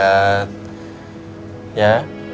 masih lama ya hasilnya